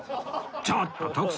ちょっと徳さん！